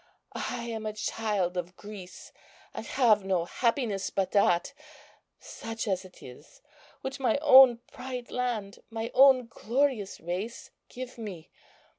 I am a child of Greece, and have no happiness but that, such as it is, which my own bright land, my own glorious race, give me.